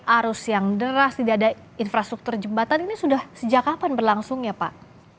arus yang deras tidak ada infrastruktur jembatan ini sudah sejak kapan berlangsung ya pak